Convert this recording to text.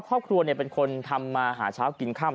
ครอบครัวเป็นคนทำมาหาเช้ากินค่ำ